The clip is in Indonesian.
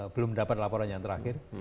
belum dapat laporan yang terakhir